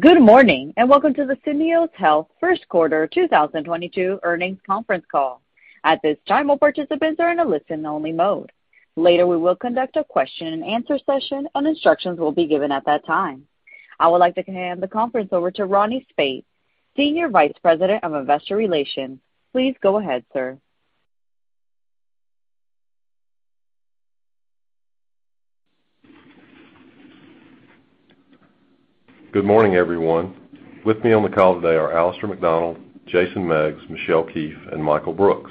Good morning, and welcome to the Syneos Health Q1 2022 Earnings Conference Call. At this time, all participants are in a listen-only mode. Later, we will conduct a Q&A session, and instructions will be given at that time. I would like to hand the conference over to Ronnie Speight, Senior Vice President of Investor Relations. Please go ahead, sir. Good morning, everyone. With me on the call today are Alistair Macdonald, Jason Meggs, Michelle Keefe, and Michael Brooks.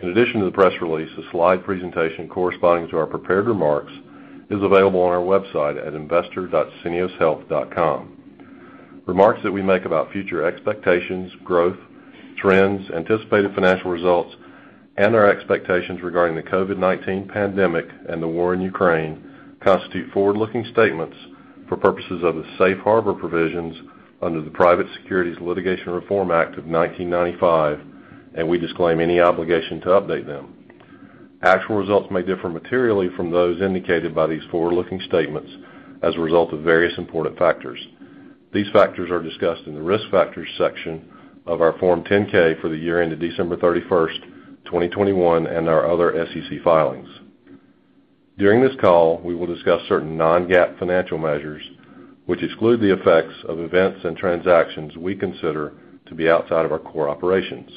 In addition to the press release, a slide presentation corresponding to our prepared remarks is available on our website at investor.syneoshealth.com. Remarks that we make about future expectations, growth, trends, anticipated financial results, and our expectations regarding the COVID-19 pandemic and the war in Ukraine constitute forward-looking statements for purposes of the safe harbor provisions under the Private Securities Litigation Reform Act of 1995, and we disclaim any obligation to update them. Actual results may differ materially from those indicated by these forward-looking statements as a result of various important factors. These factors are discussed in the Risk Factors section of our Form 10-K for the year ended December 31, 2021, and our other SEC filings. During this call, we will discuss certain non-GAAP financial measures which exclude the effects of events and transactions we consider to be outside of our core operations.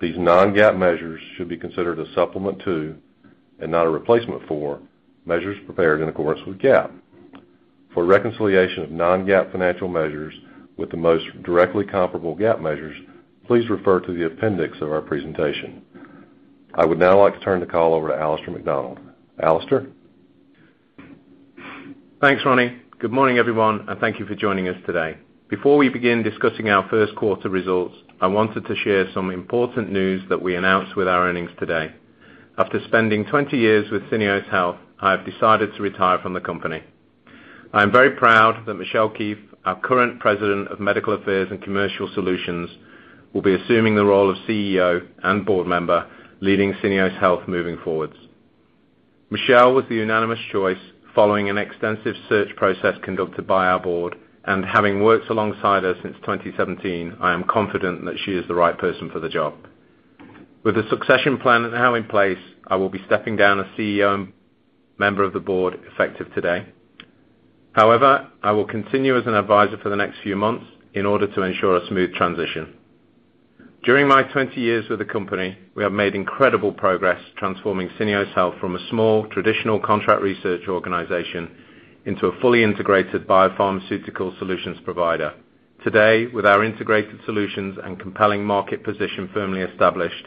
These non-GAAP measures should be considered a supplement to, and not a replacement for, measures prepared in accordance with GAAP. For a reconciliation of non-GAAP financial measures with the most directly comparable GAAP measures, please refer to the appendix of our presentation. I would now like to turn the call over to Alistair Macdonald. Alistair? Thanks, Ronnie. Good morning, everyone, and thank you for joining us today. Before we begin discussing our Q1 results, I wanted to share some important news that we announced with our earnings today. After spending 20 years with Syneos Health, I have decided to retire from the company. I am very proud that Michelle Keefe, our current President of Medical Affairs and Commercial Solutions, will be assuming the role of CEO and board member leading Syneos Health moving forward. Michelle was the unanimous choice following an extensive search process conducted by our board, and having worked alongside her since 2017, I am confident that she is the right person for the job. With the succession plan now in place, I will be stepping down as CEO and member of the board effective today. However, I will continue as an advisor for the next few months in order to ensure a smooth transition. During my 20 years with the company, we have made incredible progress transforming Syneos Health from a small, traditional contract research organization into a fully integrated biopharmaceutical solutions provider. Today, with our integrated solutions and compelling market position firmly established,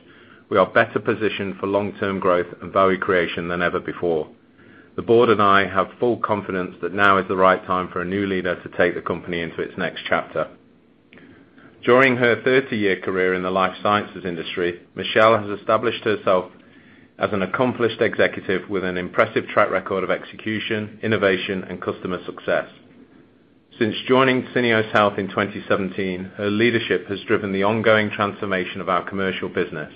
we are better positioned for long-term growth and value creation than ever before. The board and I have full confidence that now is the right time for a new leader to take the company into its next chapter. During her 30-year career in the life sciences industry, Michelle has established herself as an accomplished executive with an impressive track record of execution, innovation, and customer success. Since joining Syneos Health in 2017, her leadership has driven the ongoing transformation of our commercial business,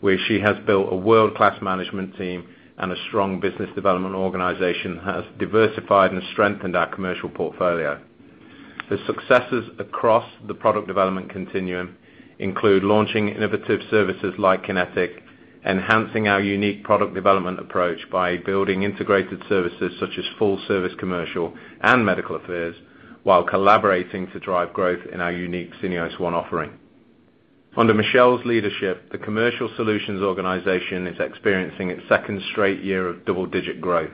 where she has built a world-class management team and a strong business development organization, has diversified and strengthened our commercial portfolio. The successes across the product development continuum include launching innovative services like Kinetic, enhancing our unique product development approach by building integrated services such as full service commercial and medical affairs, while collaborating to drive growth in our unique Syneos One offering. Under Michelle's leadership, the Commercial Solutions organization is experiencing its second straight year of double-digit growth.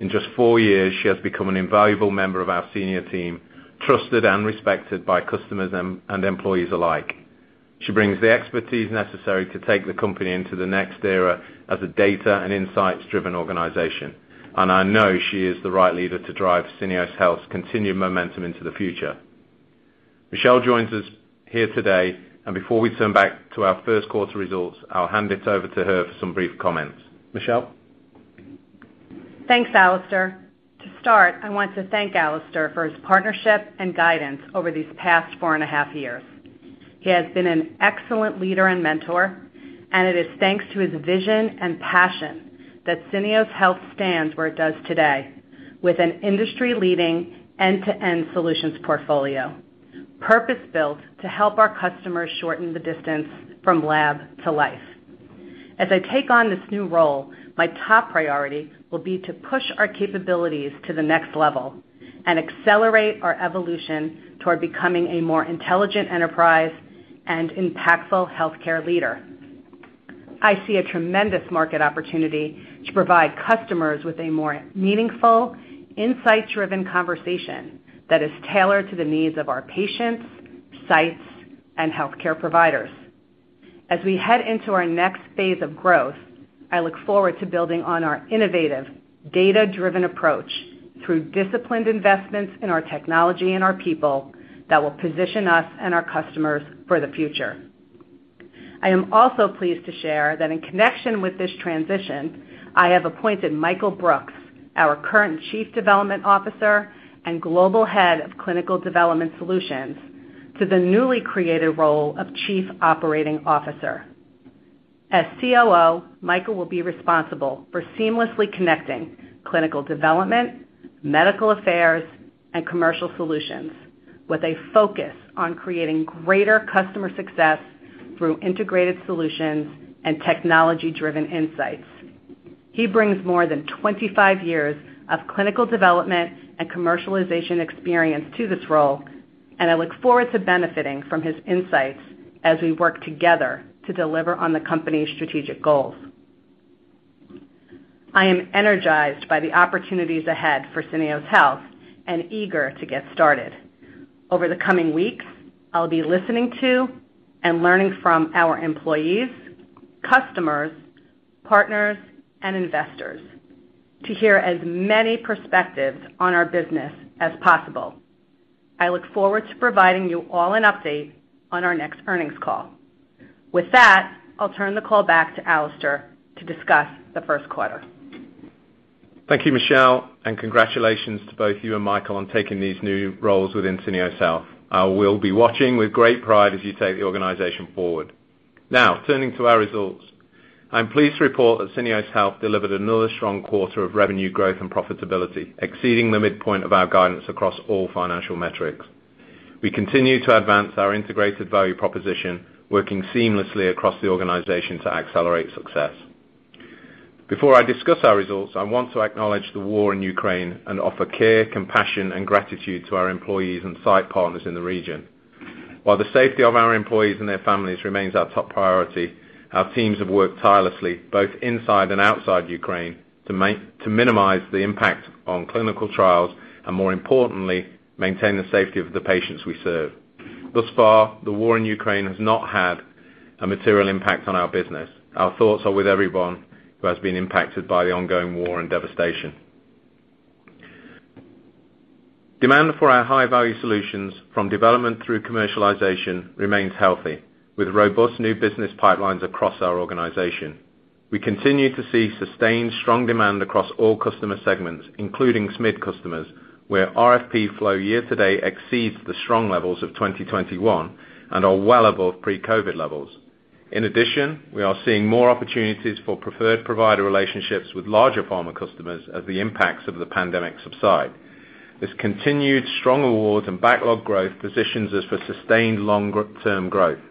In just four years, she has become an invaluable member of our senior team, trusted and respected by customers and employees alike. She brings the expertise necessary to take the company into the next era as a data and insights-driven organization, and I know she is the right leader to drive Syneos Health's continued momentum into the future. Michelle joins us here today, and before we turn back to our Q1 results, I'll hand it over to her for some brief comments. Michelle? Thanks, Alistair. To start, I want to thank Alistair for his partnership and guidance over these past four and a half years. He has been an excellent leader and mentor, and it is thanks to his vision and passion that Syneos Health stands where it does today, with an industry-leading end-to-end solutions portfolio, purpose-built to help our customers shorten the distance from lab to life. As I take on this new role, my top priority will be to push our capabilities to the next level and accelerate our evolution toward becoming a more intelligent enterprise and impactful healthcare leader. I see a tremendous market opportunity to provide customers with a more meaningful, insight-driven conversation that is tailored to the needs of our patients, sites, and healthcare providers. As we head into our next phase of growth, I look forward to building on our innovative, data-driven approach through disciplined investments in our technology and our people that will position us and our customers for the future. I am also pleased to share that in connection with this transition, I have appointed Michael Brooks, our current Chief Development Officer and Global Head of Clinical Development Solutions, to the newly created role of Chief Operating Officer. As COO, Michael will be responsible for seamlessly connecting clinical development, medical affairs, and commercial solutions with a focus on creating greater customer success through integrated solutions and technology-driven insights. He brings more than 25 years of clinical development and commercialization experience to this role, and I look forward to benefiting from his insights as we work together to deliver on the company's strategic goals. I am energized by the opportunities ahead for Syneos Health and eager to get started. Over the coming weeks, I'll be listening to and learning from our employees, customers, partners, and investors to hear as many perspectives on our business as possible. I look forward to providing you all an update on our next earnings call. With that, I'll turn the call back to Alistair to discuss the Q1. Thank you, Michelle, and congratulations to both you and Michael on taking these new roles within Syneos Health. I will be watching with great pride as you take the organization forward. Now turning to our results. I'm pleased to report that Syneos Health delivered another strong quarter of revenue growth and profitability, exceeding the midpoint of our guidance across all financial metrics. We continue to advance our integrated value proposition, working seamlessly across the organization to accelerate success. Before I discuss our results, I want to acknowledge the war in Ukraine and offer care, compassion, and gratitude to our employees and site partners in the region. While the safety of our employees and their families remains our top priority, our teams have worked tirelessly both inside and outside Ukraine to minimize the impact on clinical trials and more importantly, maintain the safety of the patients we serve. Thus far, the war in Ukraine has not had a material impact on our business. Our thoughts are with everyone who has been impacted by the ongoing war and devastation. Demand for our high-value solutions from development through commercialization remains healthy with robust new business pipelines across our organization. We continue to see sustained strong demand across all customer segments, including SMID customers, where RFP flow year to date exceeds the strong levels of 2021 and are well above pre-COVID levels. In addition, we are seeing more opportunities for preferred provider relationships with larger pharma customers as the impacts of the pandemic subside. This continued strong awards and backlog growth positions us for sustained long-term growth.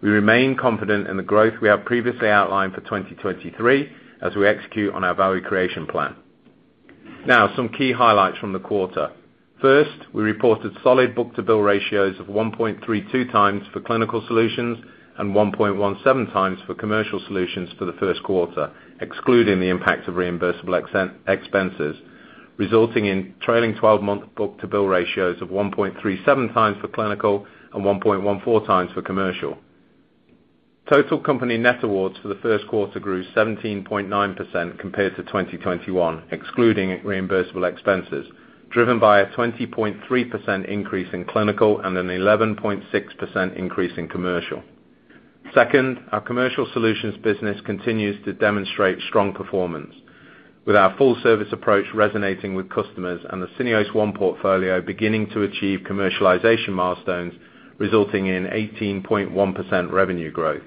We remain confident in the growth we have previously outlined for 2023 as we execute on our value creation plan. Now, some key highlights from the quarter. First, we reported solid book-to-bill ratios of 1.32x for Clinical Solutions and 1.17x for Commercial Solutions for the Q1, excluding the impact of reimbursable expenses, resulting in trailing 12-month book-to-bill ratios of 1.37x for Clinical Solutions and 1.14x for Commercial Solutions. Total company net awards for the Q1 grew 17.9% compared to 2021, excluding reimbursable expenses, driven by a 20.3% increase in Clinical Solutions and an 11.6% increase in Commercial Solutions. Second, our Commercial Solutions business continues to demonstrate strong performance with our full service approach resonating with customers and the Syneos One portfolio beginning to achieve commercialization milestones, resulting in 18.1% revenue growth.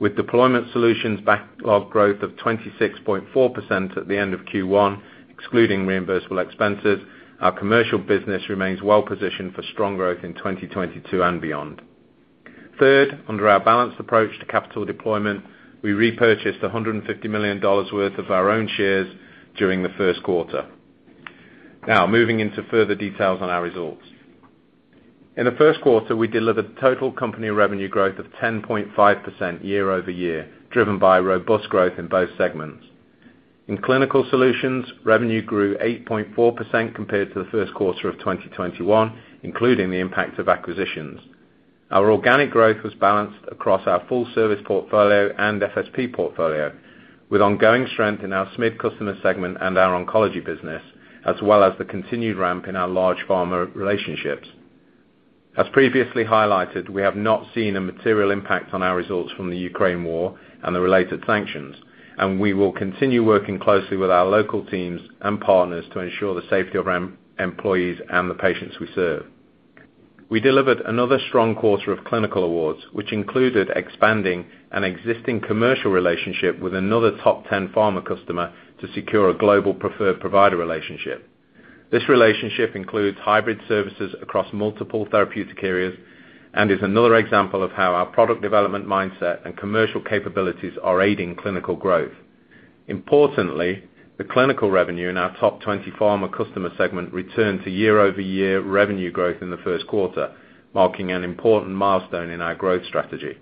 With Deployment Solutions backlog growth of 26.4% at the end of Q1, excluding reimbursable expenses, our commercial business remains well-positioned for strong growth in 2022 and beyond. Third, under our balanced approach to capital deployment, we repurchased $150 million worth of our own shares during the Q1. Now moving into further details on our results. In the Q1, we delivered total company revenue growth of 10.5% year-over-year, driven by robust growth in both segments. In Clinical Solutions, revenue grew 8.4% compared to the Q1 of 2021, including the impact of acquisitions. Our organic growth was balanced across our full service portfolio and FSP portfolio with ongoing strength in our SMID customer segment and our oncology business, as well as the continued ramp in our large pharma relationships. As previously highlighted, we have not seen a material impact on our results from the Ukraine war and the related sanctions, and we will continue working closely with our local teams and partners to ensure the safety of our employees and the patients we serve. We delivered another strong quarter of clinical awards, which included expanding an existing commercial relationship with another top 10 pharma customer to secure a global preferred provider relationship. This relationship includes hybrid services across multiple therapeutic areas and is another example of how our product development mindset and commercial capabilities are aiding clinical growth. Importantly, the clinical revenue in our top 20 pharma customer segment returned to year-over-year revenue growth in the Q1, marking an important milestone in our growth strategy.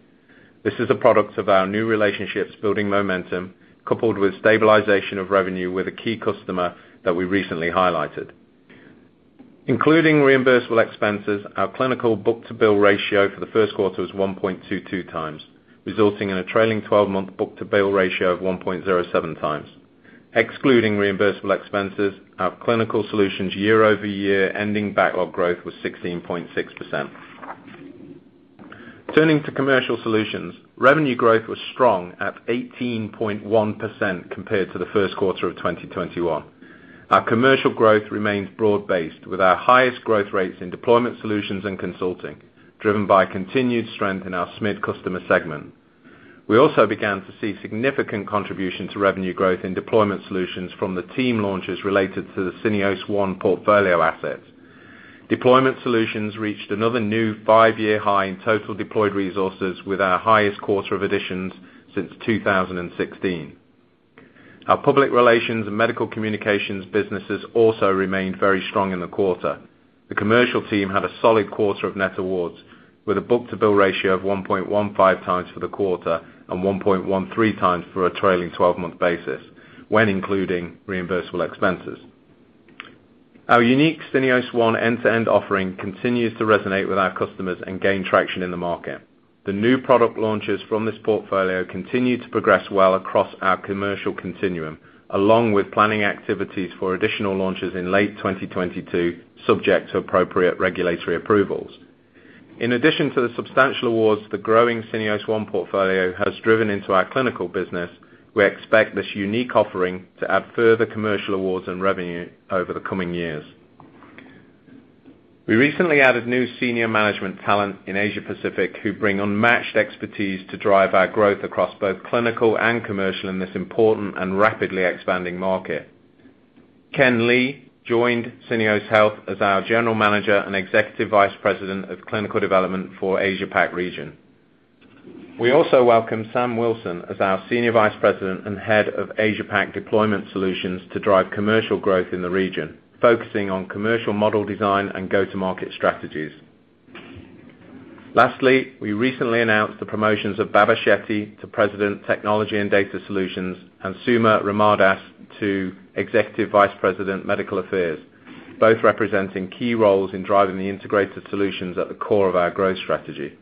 This is a product of our new relationships building momentum, coupled with stabilization of revenue with a key customer that we recently highlighted. Including reimbursable expenses, our clinical book-to-bill ratio for the Q1 was 1.22x, resulting in a trailing twelve-month book-to-bill ratio of 1.07x. Excluding reimbursable expenses, our Clinical Solutions year-over-year ending backlog growth was 16.6%. Turning to Commercial Solutions. Revenue growth was strong at 18.1% compared to the Q1 of 2021. Our commercial growth remains broad-based, with our highest growth rates in Deployment Solutions and consulting, driven by continued strength in our SMID customer segment. We also began to see significant contribution to revenue growth in Deployment Solutions from the team launches related to the Syneos One portfolio assets. Deployment Solutions reached another new five-year high in total deployed resources with our highest quarter of additions since 2016. Our public relations and medical communications businesses also remained very strong in the quarter. The commercial team had a solid quarter of net awards, with a book-to-bill ratio of 1.15x for the quarter and 1.13x for a trailing 12-month basis when including reimbursable expenses. Our unique Syneos One end-to-end offering continues to resonate with our customers and gain traction in the market. The new product launches from this portfolio continue to progress well across our commercial continuum, along with planning activities for additional launches in late 2022, subject to appropriate regulatory approvals. In addition to the substantial awards, the growing Syneos One portfolio has driven into our clinical business. We expect this unique offering to add further commercial awards and revenue over the coming years. We recently added new senior management talent in Asia Pacific who bring unmatched expertise to drive our growth across both clinical and commercial in this important and rapidly expanding market. Ken Lee joined Syneos Health as our General Manager and Executive Vice President of Clinical Development for Asia Pac region. We also welcome Sam Wilson as our Senior Vice President and Head of Asia Pac Deployment Solutions to drive commercial growth in the region, focusing on commercial model design and go-to-market strategies. Lastly, we recently announced the promotions of Baba Shetty to President, Technology and Data Solutions, and Suma Ramadas to Executive Vice President, Medical Affairs, both representing key roles in driving the integrated solutions at the core of our growth strategy.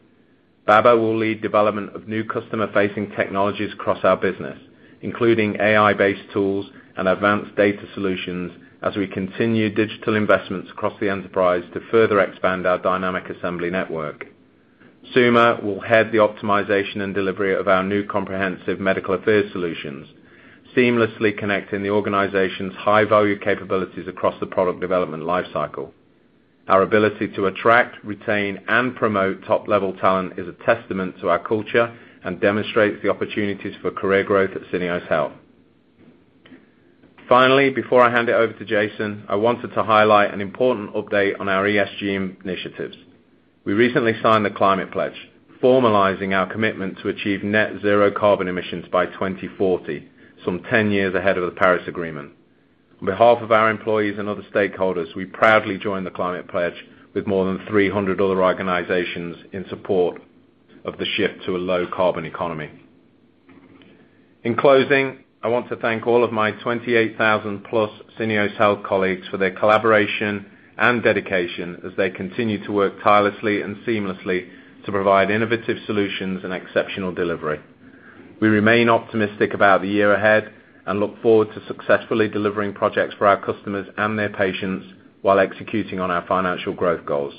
Baba will lead development of new customer-facing technologies across our business, including AI-based tools and advanced data solutions as we continue digital investments across the enterprise to further expand our dynamic assembly network. Suma will head the optimization and delivery of our new comprehensive medical affairs solutions, seamlessly connecting the organization's high-value capabilities across the product development life cycle. Our ability to attract, retain, and promote top-level talent is a testament to our culture and demonstrates the opportunities for career growth at Syneos Health. Finally, before I hand it over to Jason, I wanted to highlight an important update on our ESG initiatives. We recently signed The Climate Pledge, formalizing our commitment to achieve net zero carbon emissions by 2040, some 10 years ahead of the Paris Agreement. On behalf of our employees and other stakeholders, we proudly join The Climate Pledge with more than 300 other organizations in support of the shift to a low carbon economy. In closing, I want to thank all of my 28,000+ Syneos Health colleagues for their collaboration and dedication as they continue to work tirelessly and seamlessly to provide innovative solutions and exceptional delivery. We remain optimistic about the year ahead and look forward to successfully delivering projects for our customers and their patients while executing on our financial growth goals.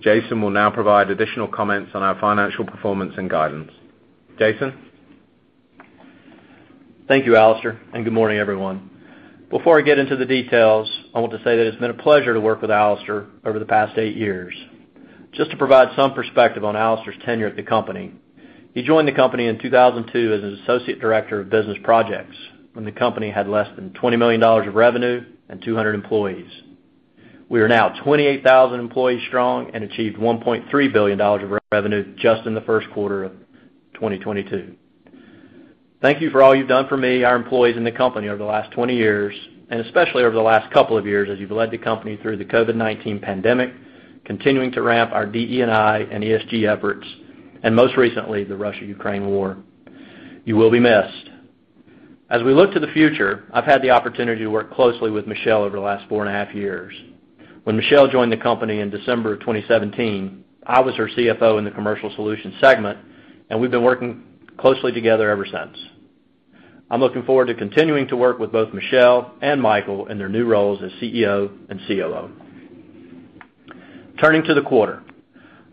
Jason will now provide additional comments on our financial performance and guidance. Jason? Thank you, Alistair, and good morning, everyone. Before I get into the details, I want to say that it's been a pleasure to work with Alistair over the past eight years. Just to provide some perspective on Alistair's tenure at the company, he joined the company in 2002 as an associate director of business projects when the company had less than $20 million of revenue and 200 employees. We are now 28,000 employees strong and achieved $1.3 billion of revenue just in the Q1 of 2022. Thank you for all you've done for me, our employees, and the company over the last 20 years, and especially over the last couple of years as you've led the company through the COVID-19 pandemic, continuing to ramp our DE&I and ESG efforts, and most recently, the Russia-Ukraine war. You will be missed. As we look to the future, I've had the opportunity to work closely with Michelle over the last four and a half years. When Michelle joined the company in December of 2017, I was her CFO in the Commercial Solutions segment, and we've been working closely together ever since. I'm looking forward to continuing to work with both Michelle and Michael in their new roles as CEO and COO. Turning to the quarter,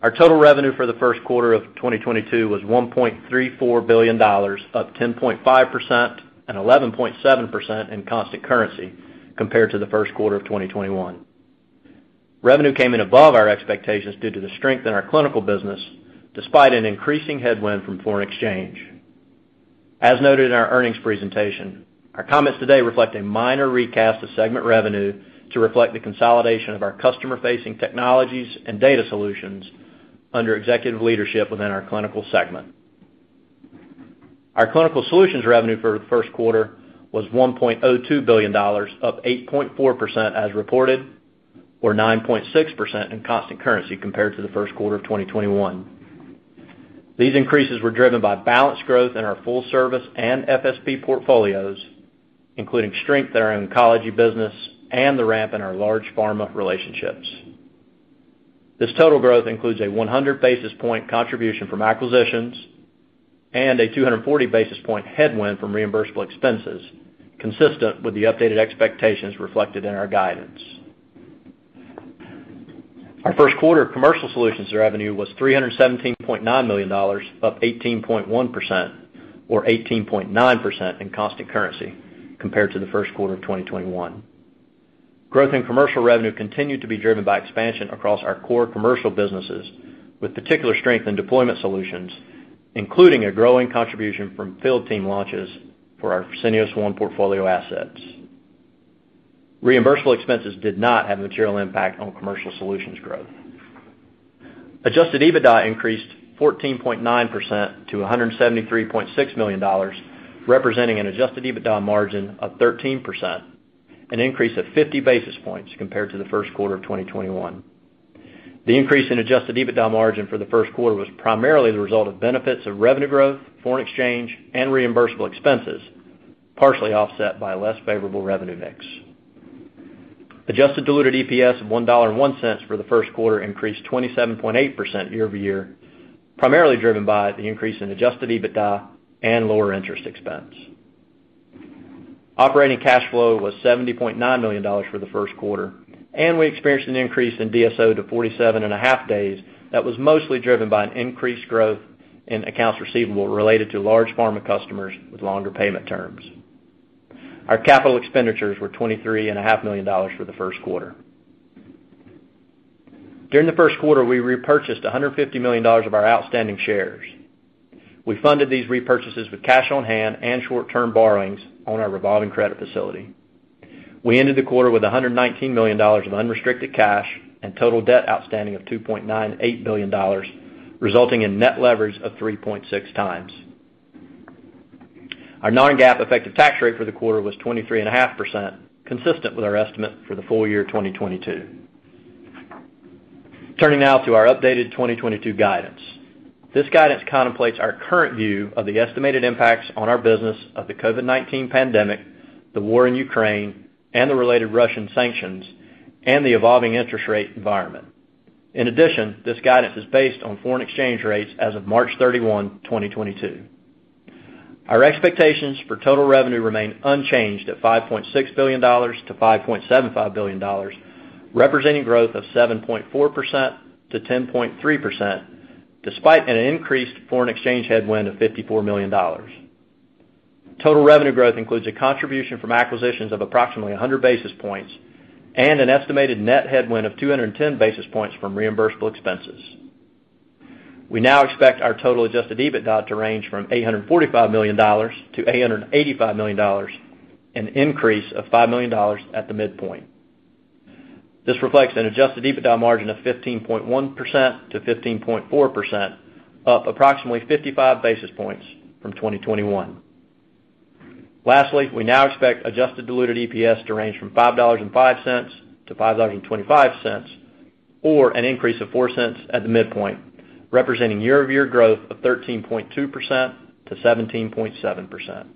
our total revenue for the Q1 of 2022 was $1.34 billion, up 10.5% and 11.7% in constant currency compared to the Q1 of 2021. Revenue came in above our expectations due to the strength in our clinical business, despite an increasing headwind from foreign exchange. As noted in our earnings presentation, our comments today reflect a minor recast of segment revenue to reflect the consolidation of our customer-facing technologies and data solutions under executive leadership within our Clinical Solutions segment. Our Clinical Solutions revenue for the Q1 was $1.02 billion, up 8.4% as reported, or 9.6% in constant currency compared to the Q1 of 2021. These increases were driven by balanced growth in our full service and FSP portfolios, including strength in our oncology business and the ramp in our large pharma relationships. This total growth includes a 100 basis points contribution from acquisitions and a 240 basis points headwind from reimbursable expenses, consistent with the updated expectations reflected in our guidance. Our Q1 Commercial Solutions revenue was $317.9 million, up 18.1% or 18.9% in constant currency compared to the Q1 of 2021. Growth in commercial revenue continued to be driven by expansion across our core commercial businesses, with particular strength in Deployment Solutions, including a growing contribution from field team launches for our Syneos One portfolio assets. Reimbursable expenses did not have a material impact on Commercial Solutions growth. Adjusted EBITDA increased 14.9% to $173.6 million, representing an adjusted EBITDA margin of 13%, an increase of 50 basis points compared to the Q1 of 2021. The increase in adjusted EBITDA margin for the Q1 was primarily the result of benefits of revenue growth, foreign exchange, and reimbursable expenses, partially offset by less favorable revenue mix. Adjusted diluted EPS of $1.01 for the Q1 increased 27.8% year-over-year, primarily driven by the increase in adjusted EBITDA and lower interest expense. Operating cash flow was $70.9 million for the Q1, and we experienced an increase in DSO to 47.5 days that was mostly driven by an increased growth in accounts receivable related to large pharma customers with longer payment terms. Our capital expenditures were $23.5 million for the Q1. During the Q1, we repurchased $150 million of our outstanding shares. We funded these repurchases with cash on hand and short-term borrowings on our revolving credit facility. We ended the quarter with $119 million of unrestricted cash and total debt outstanding of $2.98 billion, resulting in net leverage of 3.6x. Our non-GAAP effective tax rate for the quarter was 23.5%, consistent with our estimate for the full year 2022. Turning now to our updated 2022 guidance. This guidance contemplates our current view of the estimated impacts on our business of the COVID-19 pandemic, the war in Ukraine and the related Russian sanctions, and the evolving interest rate environment. In addition, this guidance is based on foreign exchange rates as of March 31, 2022. Our expectations for total revenue remain unchanged at $5.6 billion-$5.75 billion, representing growth of 7.4%-10.3%, despite an increased foreign exchange headwind of $54 million. Total revenue growth includes a contribution from acquisitions of approximately 100 basis points and an estimated net headwind of 210 basis points from reimbursable expenses. We now expect our total adjusted EBITDA to range from $845 million-$885 million, an increase of $5 million at the midpoint. This reflects an adjusted EBITDA margin of 15.1%-15.4%, up approximately 55 basis points from 2021. Lastly, we now expect adjusted diluted EPS to range from $5.05-$5.25, or an increase of $0.04 at the midpoint, representing year-over-year growth of 13.2%-17.7%.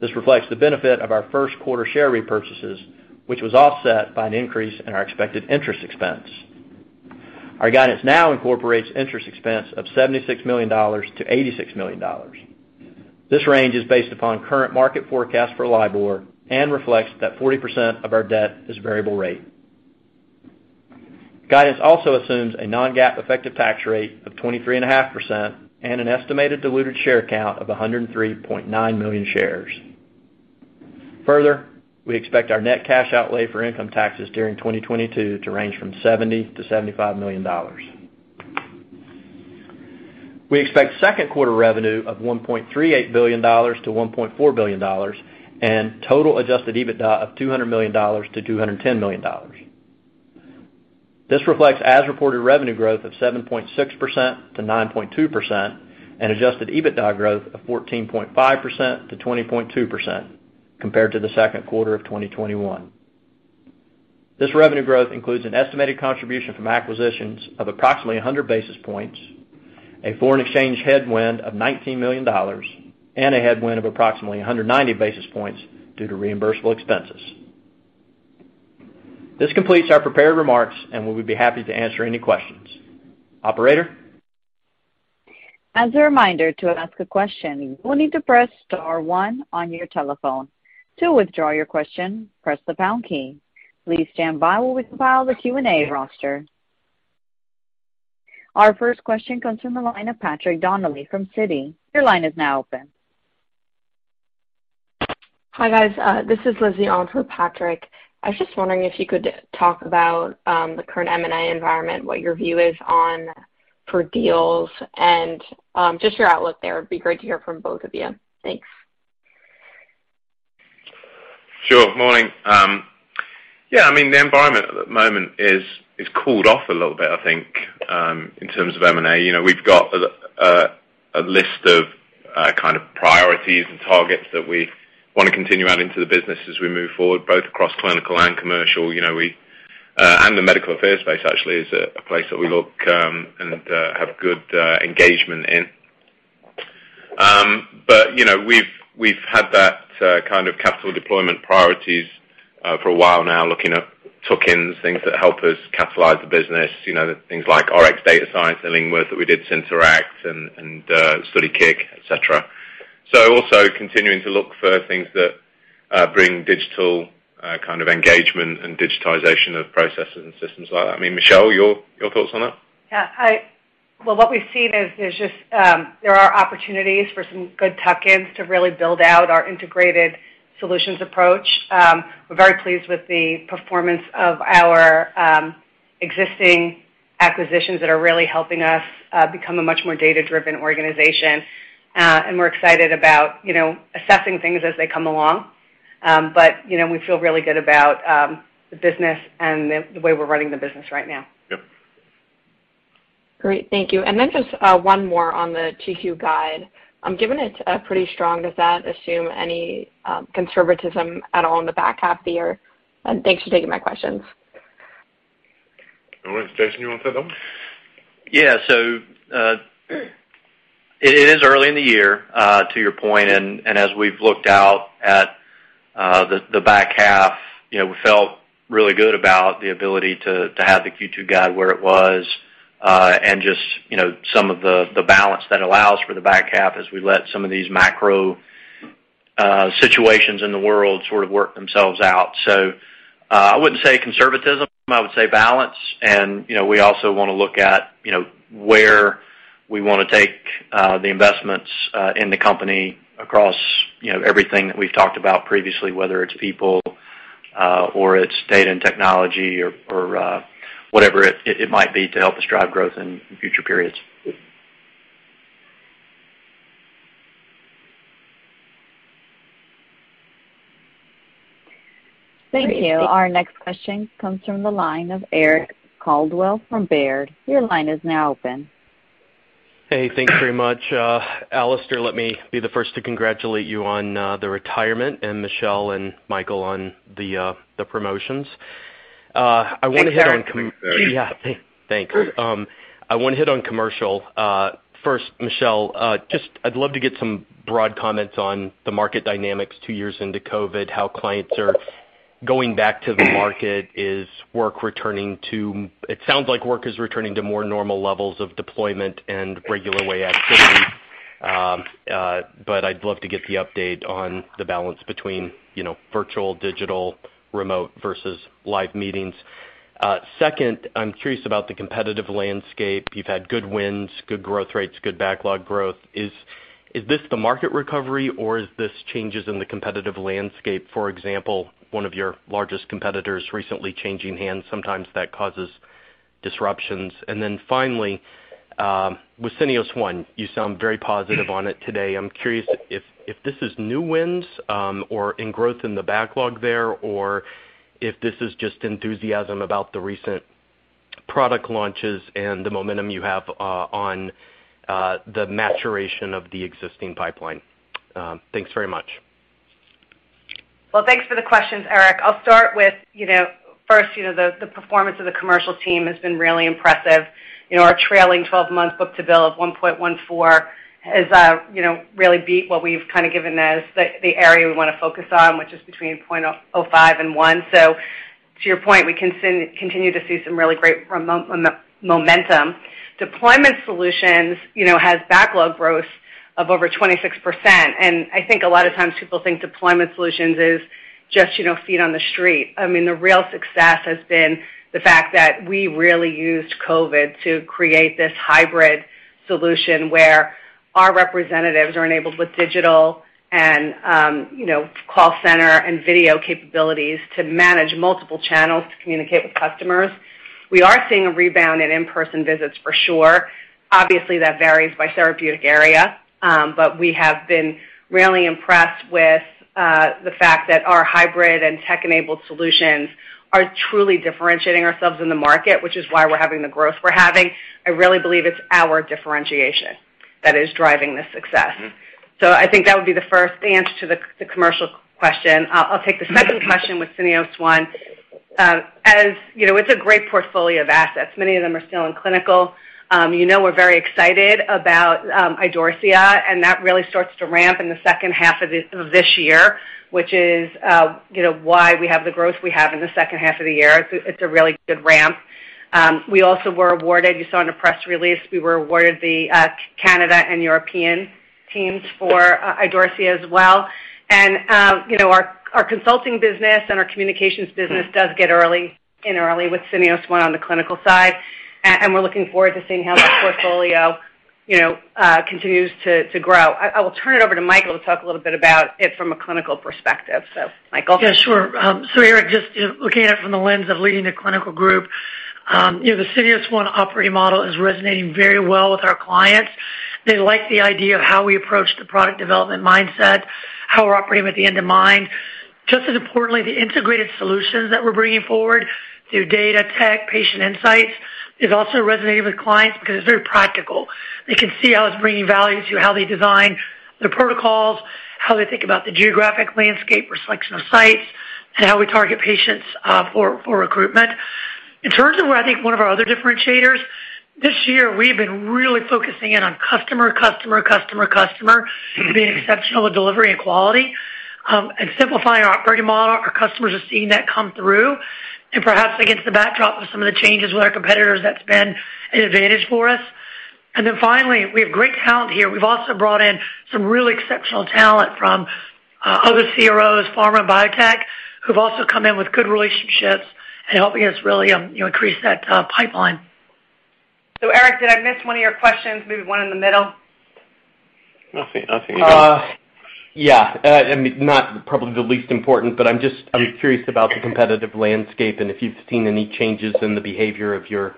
This reflects the benefit of our Q1 share repurchases, which was offset by an increase in our expected interest expense. Our guidance now incorporates interest expense of $76 million-$86 million. This range is based upon current market forecast for LIBOR and reflects that 40% of our debt is variable rate. Guidance also assumes a non-GAAP effective tax rate of 23.5% and an estimated diluted share count of 103.9 million shares. Further, we expect our net cash outlay for income taxes during 2022 to range from $70 million-$75 million. We expect second quarter revenue of $1.38 billion-$1.4 billion and total adjusted EBITDA of $200 million-$210 million. This reflects as reported revenue growth of 7.6%-9.2% and adjusted EBITDA growth of 14.5%-20.2% compared to the second quarter of 2021. This revenue growth includes an estimated contribution from acquisitions of approximately 100 basis points, a foreign exchange headwind of $19 million, and a headwind of approximately 190 basis points due to reimbursable expenses. This completes our prepared remarks, and we would be happy to answer any questions. Operator? As a reminder, to ask a question, you will need to press star one on your telephone. To withdraw your question, press the pound key. Please stand by while we compile the Q&A roster. Our first question comes from the line of Patrick Donnelly from Citi. Your line is now open. Hi, guys. This is Lizzy on for Patrick. I was just wondering if you could talk about the current M&A environment, what your view is on forward deals and just your outlook there. It'd be great to hear from both of you. Thanks. Sure. Morning. Yeah, I mean, the environment at the moment is cooled off a little bit, I think, in terms of M&A. You know, we've got a list of kind of priorities and targets that we wanna continue out into the business as we move forward, both across clinical and commercial. You know, we and the medical affairs space actually is a place that we look and have good engagement in. You know, we've had that kind of capital deployment priorities for a while now, looking at tuck-ins, things that help us catalyze the business. You know, things like RxDataScience and Illingworth, Synteract, and StudyKIK, et cetera. also continuing to look for things that bring digital kind of engagement and digitization of processes and systems like that. I mean, Michelle, your thoughts on that? Well, what we've seen is just there are opportunities for some good tuck-ins to really build out our integrated solutions approach. We're very pleased with the performance of our existing acquisitions that are really helping us become a much more data-driven organization. We're excited about, you know, assessing things as they come along. You know, we feel really good about the business and the way we're running the business right now. Yep. Great. Thank you. Just one more on the guidance. Given it's pretty strong, does that assume any conservatism at all in the back half of the year? Thanks for taking my questions. All right. Jason, you want that one? Yeah. It is early in the year, to your point. As we've looked out at the back half, you know, we felt really good about the ability to have the Q2 guide where it was, and just, you know, some of the balance that allows for the back half as we let some of these macro situations in the world sort of work themselves out. I wouldn't say conservatism. I would say balance. We also wanna look at, you know, where we wanna take the investments in the company across, you know, everything that we've talked about previously, whether it's people or it's data and technology or whatever it might be to help us drive growth in future periods. Thank you. Great. Thank you. Our next question comes from the line of Eric Coldwell from Baird. Your line is now open. Hey, thanks very much. Alistair, let me be the first to congratulate you on the retirement, and Michelle and Michael on the promotions. I wanna hit on com- Thanks, Eric. Yeah. Thanks. I wanna hit on commercial. First, Michelle, just I'd love to get some broad comments on the market dynamics two years into COVID, how clients are going back to the market. It sounds like work is returning to more normal levels of deployment and regular way activity. But I'd love to get the update on the balance between, you know, virtual, digital, remote versus live meetings. Second, I'm curious about the competitive landscape. You've had good wins, good growth rates, good backlog growth. Is this the market recovery, or is this changes in the competitive landscape? For example, one of your largest competitors recently changing hands, sometimes that causes disruptions. Then finally, with Syneos One, you sound very positive on it today. I'm curious if this is new wins or in growth in the backlog there, or if this is just enthusiasm about the recent product launches and the momentum you have on the maturation of the existing pipeline. Thanks very much. Well, thanks for the questions, Eric. I'll start with, you know, first, the performance of the commercial team has been really impressive. You know, our trailing twelve-month book-to-bill of 1.14x has really beat what we've given as the area we wanna focus on, which is between 0.05x and 1x. To your point, we continue to see some really great momentum. Deployment Solutions has backlog growth of over 26%. I think a lot of times people think Deployment Solutions is just, you know, feet on the street. I mean, the real success has been the fact that we really used COVID to create this hybrid solution where our representatives are enabled with digital and call center and video capabilities to manage multiple channels to communicate with customers. We are seeing a rebound in in-person visits for sure. Obviously, that varies by therapeutic area. We have been really impressed with the fact that our hybrid and tech-enabled solutions are truly differentiating ourselves in the market, which is why we're having the growth we're having. I really believe it's our differentiation that is driving this success. Mm-hmm. I think that would be the first answer to the commercial question. I'll take the second question with Syneos One. As you know, it's a great portfolio of assets. Many of them are still in clinical. You know, we're very excited about Idorsia, and that really starts to ramp in the second half of this year, which is, you know, why we have the growth we have in the second half of the year. It's a really good ramp. We also were awarded. You saw in a press release, we were awarded the Canada and European teams for Idorsia as well. You know, our consulting business and our communications business does get in early with Syneos One on the clinical side. We're looking forward to seeing how that portfolio, you know, continues to grow. I will turn it over to Michael to talk a little bit about it from a clinical perspective. Michael? Yeah, sure. So Eric, just, you know, looking at it from the lens of leading the clinical group, you know, the Syneos One operating model is resonating very well with our clients. They like the idea of how we approach the product development mindset, how we're operating with the end in mind. Just as importantly, the integrated solutions that we're bringing forward through data, tech, patient insights is also resonating with clients because it's very practical. They can see how it's bringing value to how they design the protocols, how they think about the geographic landscape, selection of sites, and how we target patients, for recruitment. In terms of, I think, one of our other differentiators, this year, we have been really focusing in on customer, being exceptional with delivery and quality. Simplifying our operating model. Our customers are seeing that come through. Perhaps against the backdrop of some of the changes with our competitors, that's been an advantage for us. Finally, we have great talent here. We've also brought in some really exceptional talent from other CROs, pharma and biotech, who've also come in with good relationships and helping us really, you know, increase that pipeline. Eric, did I miss one of your questions? Maybe one in the middle. I think. I mean, not probably the least important, but I'm just curious about the competitive landscape and if you've seen any changes in the behavior of your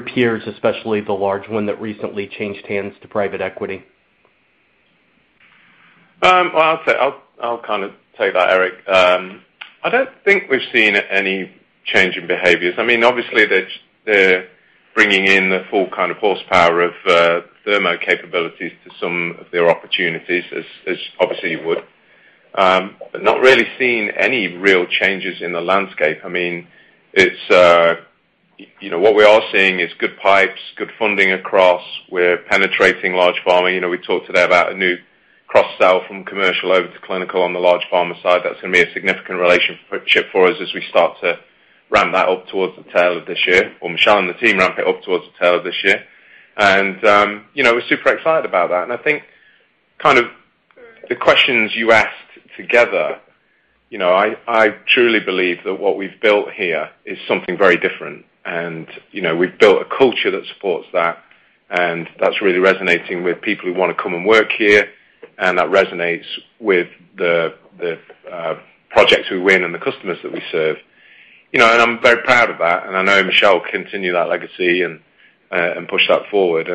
peers, especially the large one that recently changed hands to private equity. Well, I'll kind of take that, Eric. I don't think we've seen any change in behaviors. I mean, obviously they're bringing in the full kind of horsepower of Thermo capabilities to some of their opportunities, as obviously you would. Not really seeing any real changes in the landscape. I mean, it's, you know, what we are seeing is good pipelines, good funding across. We're penetrating large pharma. You know, we talked today about a new cross sale from commercial over to clinical on the large pharma side. That's gonna be a significant relationship for us as we start to ramp that up towards the tail of this year, or Michelle and the team ramp it up towards the tail of this year. You know, we're super excited about that. I think kind of the questions you asked together, you know, I truly believe that what we've built here is something very different. You know, we've built a culture that supports that, and that's really resonating with people who wanna come and work here, and that resonates with the projects we win and the customers that we serve. You know, and I'm very proud of that, and I know Michelle will continue that legacy and push that forward.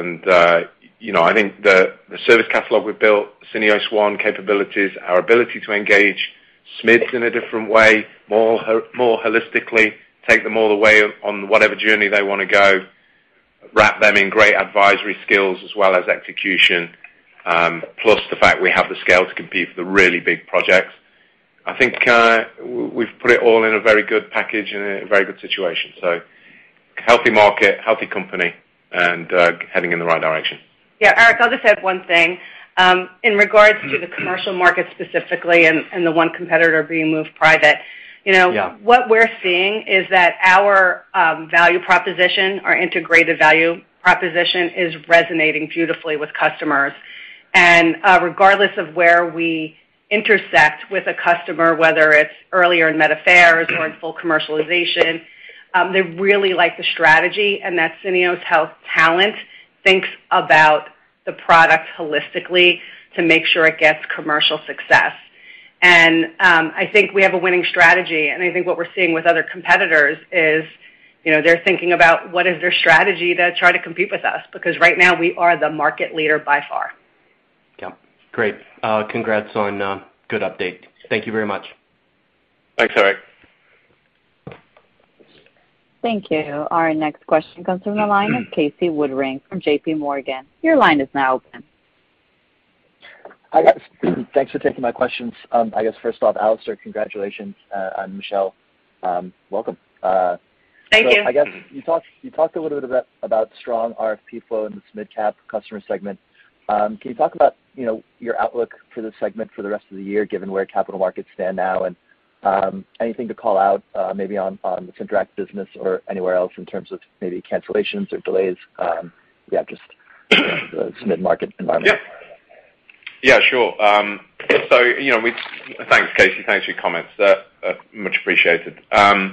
You know, I think the service catalog we've built, Syneos One capabilities, our ability to engage SMIDs in a different way, more holistically, take them all the way on whatever journey they wanna go, wrap them in great advisory skills as well as execution, plus the fact we have the scale to compete for the really big projects. I think, we've put it all in a very good package and a very good situation. Healthy market, healthy company, and heading in the right direction. Yeah. Eric, I'll just add one thing. In regards to the commercial market specifically and the one competitor being moved private. Yeah. You know, what we're seeing is that our value proposition, our integrated value proposition, is resonating beautifully with customers. Regardless of where we intersect with a customer, whether it's earlier in med affairs or in full commercialization, they really like the strategy and that Syneos Health talent thinks about the product holistically to make sure it gets commercial success. I think we have a winning strategy, and I think what we're seeing with other competitors is, you know, they're thinking about what is their strategy to try to compete with us, because right now we are the market leader by far. Yeah. Great. Congrats on good update. Thank you very much. Thanks, Eric. Thank you. Our next question comes from the line of Casey Woodring from JP Morgan. Your line is now open. Hi, guys. Thanks for taking my questions. I guess first off, Alistair, congratulations, and Michelle, welcome. Thank you. I guess you talked a little bit about strong RFP flow in the midcap customer segment. Can you talk about, you know, your outlook for this segment for the rest of the year, given where capital markets stand now? Anything to call out, maybe on the Synteract business or anywhere else in terms of maybe cancellations or delays, just, you know, the mid-market environment? Yeah. Yeah, sure. Thanks, Casey. Thanks for your comments. That much appreciated. I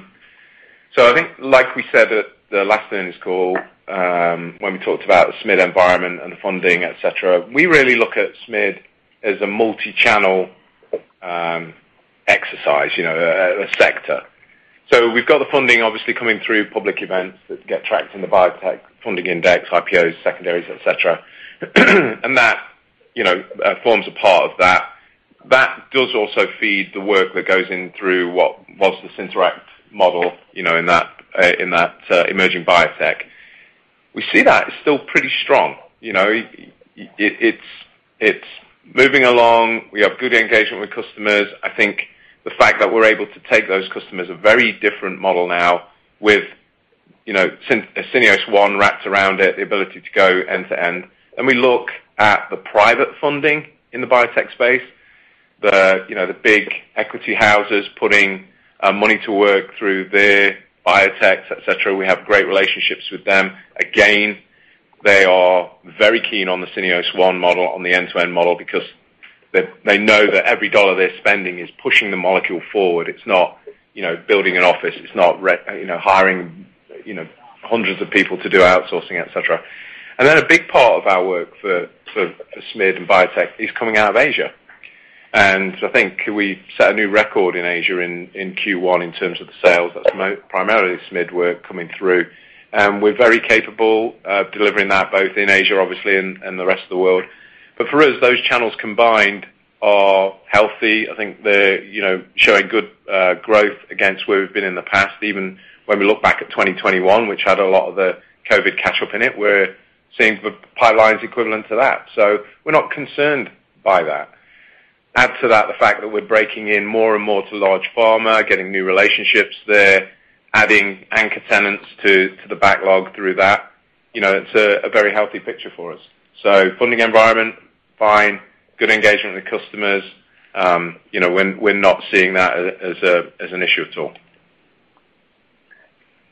think like we said at the last earnings call, when we talked about the SMID environment and the funding, et cetera, we really look at SMID as a multi-channel exercise, you know, a sector. We've got the funding obviously coming through public events that get tracked in the biotech funding index, IPOs, secondaries, et cetera. That, you know, forms a part of that. That does also feed the work that goes in through what was the Synteract model, you know, in that emerging biotech. We see that as still pretty strong. You know, it's moving along. We have good engagement with customers. I think the fact that we're able to take those customers a very different model now with, you know, Syneos One wrapped around it, the ability to go end to end. We look at the private funding in the biotech space, you know, the big equity houses putting money to work through their biotechs, et cetera. We have great relationships with them. Again, they are very keen on the Syneos One model, on the end-to-end model because they know that every dollar they're spending is pushing the molecule forward. It's not, you know, building an office. It's not you know, hiring, you know, hundreds of people to do outsourcing, et cetera. Then a big part of our work for SMID and biotech is coming out of Asia. I think we set a new record in Asia in Q1 in terms of the sales. That's primarily SMID work coming through. We're very capable of delivering that both in Asia, obviously, and the rest of the world. For us, those channels combined are healthy. I think they're, you know, showing good growth against where we've been in the past. Even when we look back at 2021, which had a lot of the COVID catch-up in it, we're seeing the pipelines equivalent to that. We're not concerned by that. Add to that the fact that we're breaking in more and more to large pharma, getting new relationships there, adding anchor tenants to the backlog through that. You know, it's a very healthy picture for us. Funding environment, fine, good engagement with customers. You know, we're not seeing that as an issue at all.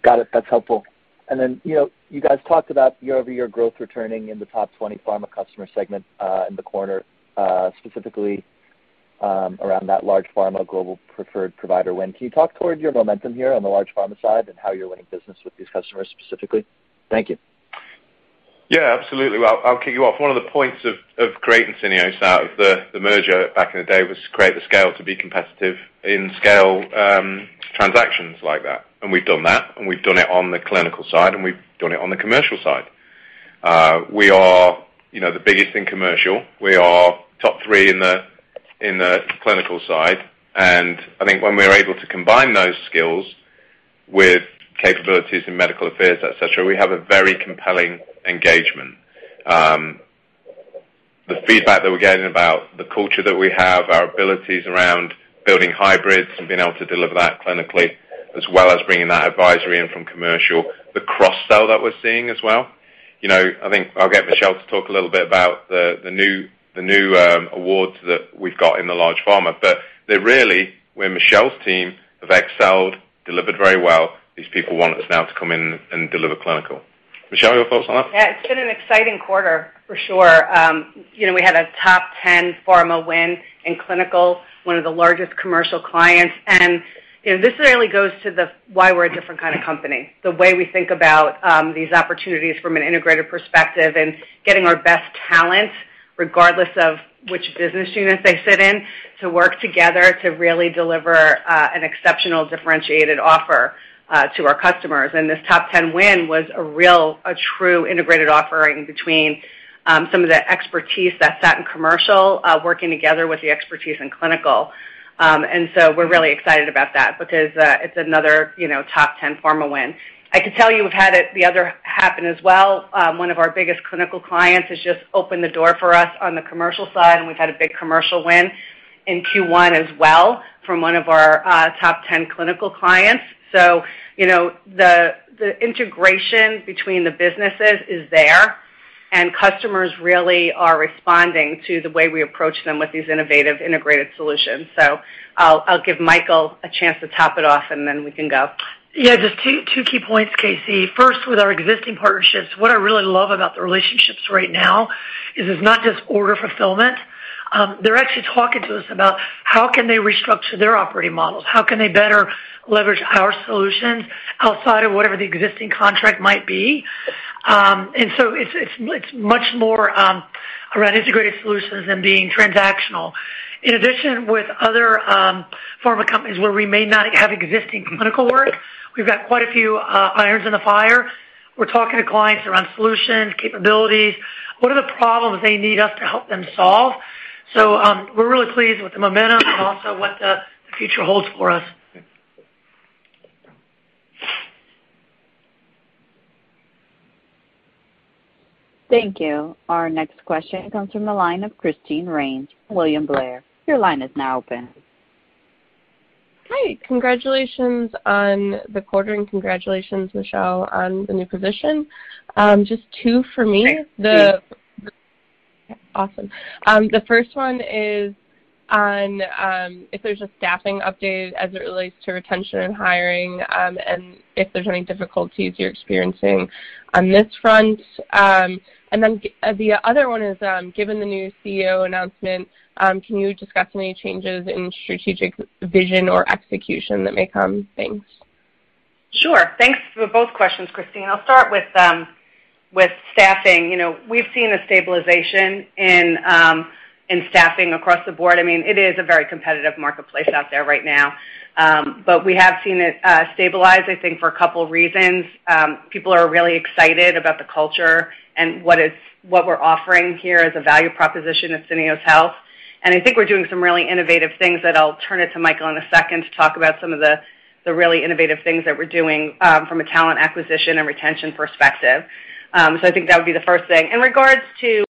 Got it. That's helpful. You know, you guys talked about year-over-year growth returning in the top 20 pharma customer segment in the quarter, specifically around that large pharma global preferred provider win. Can you talk towards your momentum here on the large pharma side and how you're winning business with these customers specifically? Thank you. Yeah, absolutely. Well, I'll kick you off. One of the points of creating Syneos Health, the merger back in the day, was to create the scale to be competitive in scale transactions like that. We've done that, and we've done it on the clinical side, and we've done it on the commercial side. We are, you know, the biggest in commercial. We are top three in the clinical side. I think when we are able to combine those skills with capabilities in medical affairs, et cetera, we have a very compelling engagement. The feedback that we're getting about the culture that we have, our abilities around building hybrids and being able to deliver that clinically as well as bringing that advisory in from commercial, the cross-sell that we're seeing as well. You know, I think I'll get Michelle to talk a little bit about the new awards that we've got in the large pharma. They're really where Michelle's team have excelled, delivered very well. These people want us now to come in and deliver clinical. Michelle, your thoughts on that? Yeah, it's been an exciting quarter for sure. You know, we had a top 10 pharma win in clinical, one of the largest commercial clients. You know, this really goes to the why we're a different kind of company, the way we think about these opportunities from an integrated perspective and getting our best talent, regardless of which business unit they sit in, to work together to really deliver an exceptional differentiated offer to our customers. This top 10 win was a true integrated offering between some of the expertise that sat in commercial working together with the expertise in clinical. We're really excited about that because it's another, you know, top 10 pharma win. I can tell you we've had the other happen as well. One of our biggest clinical clients has just opened the door for us on the commercial side, and we've had a big commercial win in Q1 as well from one of our top ten clinical clients. You know, the integration between the businesses is there, and customers really are responding to the way we approach them with these innovative integrated solutions. I'll give Michael a chance to top it off, and then we can go. Yeah, just two key points, Casey. First, with our existing partnerships, what I really love about the relationships right now is it's not just order fulfillment. They're actually talking to us about how can they restructure their operating models, how can they better leverage our solutions outside of whatever the existing contract might be. And so it's much more around integrated solutions than being transactional. In addition, with other pharma companies where we may not have existing clinical work, we've got quite a few irons in the fire. We're talking to clients around solutions, capabilities, what are the problems they need us to help them solve. We're really pleased with the momentum and also what the future holds for us. Thank you. Our next question comes from the line of Christine Rains, William Blair. Your line is now open. Hi. Congratulations on the quarter, and congratulations, Michelle, on the new position. Just two for me. Thanks. Awesome. The first one is on if there's a staffing update as it relates to retention and hiring, and if there's any difficulties you're experiencing on this front. The other one is given the new CEO announcement, can you discuss any changes in strategic vision or execution that may come? Thanks. Sure. Thanks for both questions, Christine. I'll start with staffing. You know, we've seen a stabilization in staffing across the board. I mean, it is a very competitive marketplace out there right now. We have seen it stabilize, I think, for a couple reasons. People are really excited about the culture and what we're offering here as a value proposition at Syneos Health. I think we're doing some really innovative things that I'll turn it to Michael Brooks in a second to talk about some of the really innovative things that we're doing from a talent acquisition and retention perspective. I think that would be the first thing. In regards to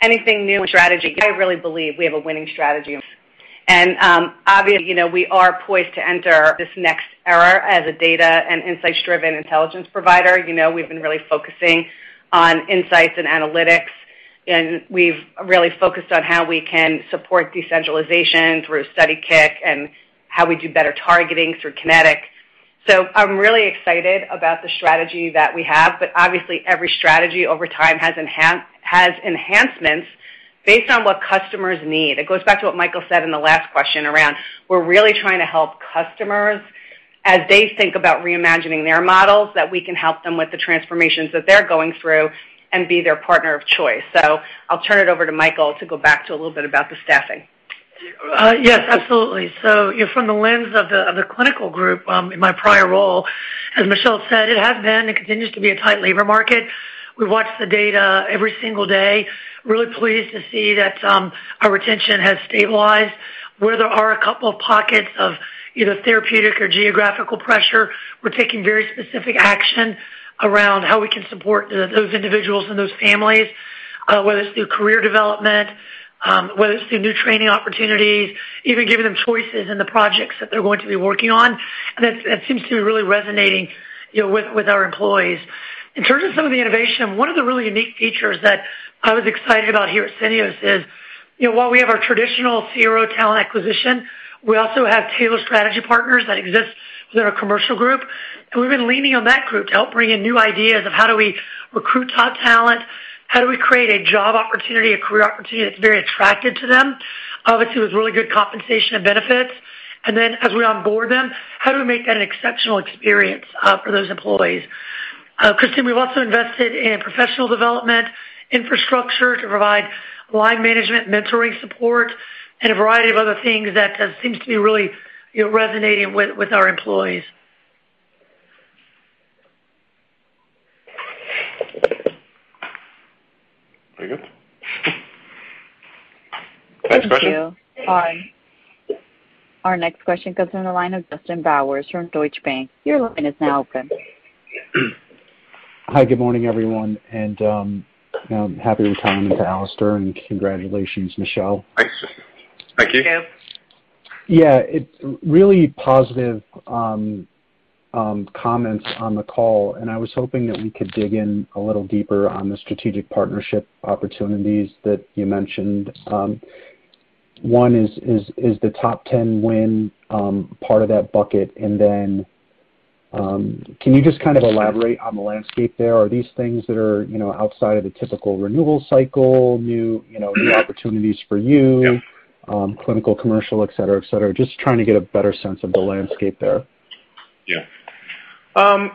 anything new in strategy, I really believe we have a winning strategy. Obviously, you know, we are poised to enter this next era as a data and insights-driven intelligence provider. You know, we've been really focusing on insights and analytics, and we've really focused on how we can support decentralization through StudyKIK and how we do better targeting through Kinetic. I'm really excited about the strategy that we have, but obviously every strategy over time has enhancements based on what customers need. It goes back to what Michael said in the last question around we're really trying to help customers as they think about reimagining their models, that we can help them with the transformations that they're going through and be their partner of choice. I'll turn it over to Michael to go back to a little bit about the staffing. Yes, absolutely. You know, from the lens of the clinical group, in my prior role, as Michelle said, it has been and continues to be a tight labor market. We watch the data every single day. Really pleased to see that our retention has stabilized. Where there are a couple of pockets of either therapeutic or geographical pressure, we're taking very specific action around how we can support those individuals and those families. Whether it's through career development, whether it's through new training opportunities, even giving them choices in the projects that they're going to be working on. That seems to be really resonating, you know, with our employees. In terms of some of the innovation, one of the really unique features that I was excited about here at Syneos is, you know, while we have our traditional CRO talent acquisition, we also have tailored strategy partners that exist within our commercial group. We've been leaning on that group to help bring in new ideas of how do we recruit top talent? How do we create a job opportunity, a career opportunity that's very attractive to them? Obviously, there's really good compensation and benefits. As we onboard them, how do we make that an exceptional experience, for those employees? Christine, we've also invested in professional development infrastructure to provide line management, mentoring support, and a variety of other things that, seems to be really, you know, resonating with our employees. Very good. Thank you. Our next question comes in the line of Justin Bowers from Deutsche Bank. Your line is now open. Hi, good morning, everyone, and, you know, happy retirement to Alistair, and congratulations, Michelle. Thanks. Thank you. Thank you. Yeah, really positive comments on the call. I was hoping that we could dig in a little deeper on the strategic partnership opportunities that you mentioned. One is the top ten win part of that bucket? Then, can you just kind of elaborate on the landscape there? Are these things that are, you know, outside of the typical renewal cycle, new, you know, new opportunities for you? Yeah. Clinical, commercial, et cetera, et cetera? Just trying to get a better sense of the landscape there. Yeah.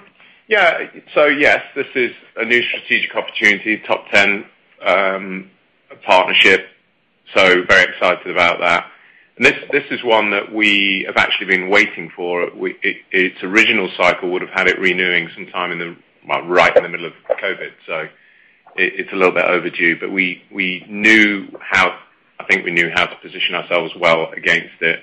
Yes, this is a new strategic opportunity, top-10 partnership, so very excited about that. This is one that we have actually been waiting for. Its original cycle would have had it renewing some time right in the middle of COVID. It's a little bit overdue, but I think we knew how to position ourselves well against it.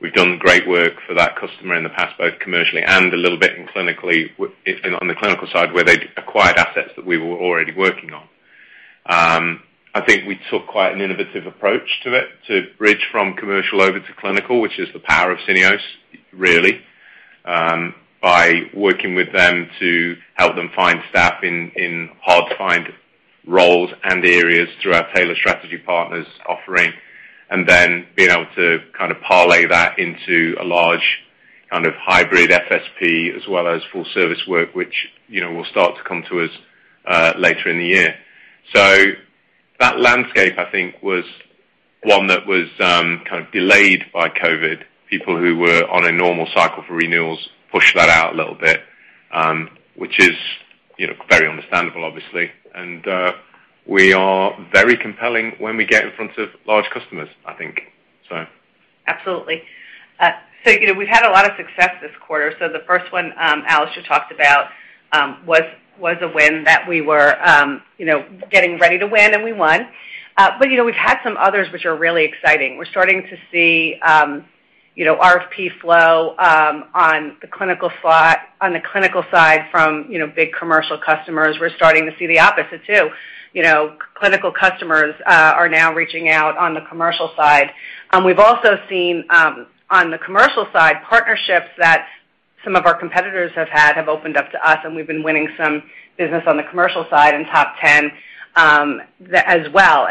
We've done great work for that customer in the past, both commercially and a little bit clinically. It's been on the clinical side where they'd acquired assets that we were already working on. I think we took quite an innovative approach to it to bridge from commercial over to clinical, which is the power of Syneos, really, by working with them to help them find staff in hard-to-find roles and areas through our tailored strategy partners offering, and then being able to kind of parlay that into a large kind of hybrid FSP as well as full service work, which, you know, will start to come to us, later in the year. That landscape, I think, was one that was kind of delayed by COVID. People who were on a normal cycle for renewals pushed that out a little bit, which is, you know, very understandable, obviously. We are very compelling when we get in front of large customers, I think so. Absolutely. You know, we've had a lot of success this quarter. The first one Alistair talked about was a win that we were getting ready to win and we won. You know, we've had some others which are really exciting. We're starting to see RFP flow on the clinical side from big commercial customers. We're starting to see the opposite too. Clinical customers are now reaching out on the commercial side. We've also seen on the commercial side, partnerships that some of our competitors have had have opened up to us, and we've been winning some business on the commercial side in top ten as well.